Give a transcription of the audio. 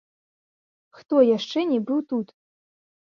Хто яшчэ не быў тут?